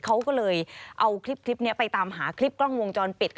เขาก็เลยเอาคลิปนี้ไปตามหาคลิปกล้องวงจรปิด